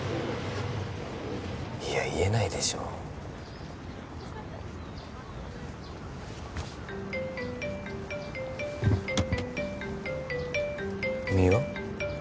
いや言えないでしょ三輪？